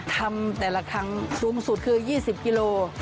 ทำแต่ละครั้งสูงสุดคือ๒๐กิโล